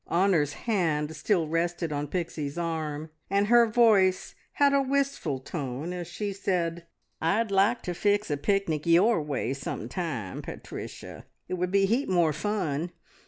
Honor's hand still rested on Pixie's arm, and her voice had a wistful tone as she said "I'd like to fix a picnic your way some time, Pat ricia! It would be a heap more fun.